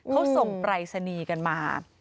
เขาส่งปรายศนีย์กันมา